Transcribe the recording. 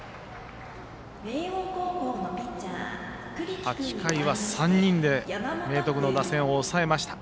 ８回は３人で明徳の打線を抑えました。